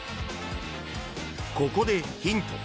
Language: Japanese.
［ここでヒント］